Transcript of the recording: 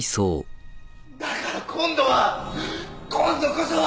だから今度は今度こそは！